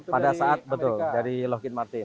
pada saat betul dari login martin